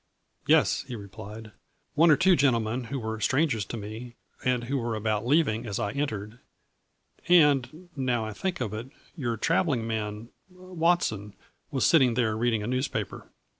"Yes," he replied, "one or two gentlemen who were strangers to me, and who were about leaving as I entered, and, now I think of it, your traveling man, Watson, was sitting there reading a newspaper.